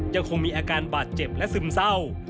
ยังคงมีอาการบาดเจ็บและซึมเศร้า